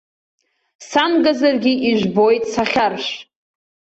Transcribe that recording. Самгазаргьы ижәбоит сахьаршә.